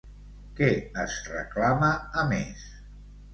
Què es reclama a més?